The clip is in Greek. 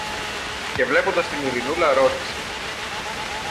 Και, βλέποντας την Ειρηνούλα, ρώτησε